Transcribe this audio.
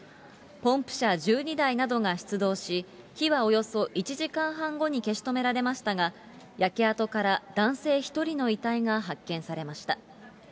ポンプ車１２台などが出動し、火はおよそ１時間半後に消し止められましたが、焼け跡から男性１人の遺体が発見されました。